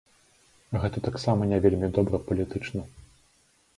Гэта таксама не вельмі добра палітычна.